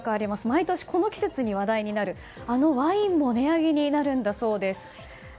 毎年この季節に話題になるあのワインも値上げになるんだそうです。